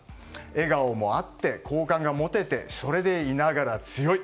笑顔もあって好感も持ててそれでいながら強い。